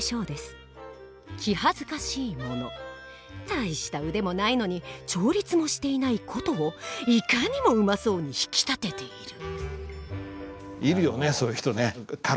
大した腕もないのに調律もしていない琴をいかにもうまそうに弾きたてている」。